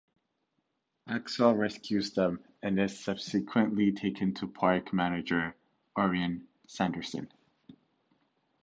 Axel rescues them and is subsequently taken to park manager Orrin Sanderson.